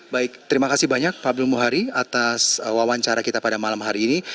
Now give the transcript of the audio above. baik terima kasih banyak pak abdul muhari atas wawancara kita pada malam hari ini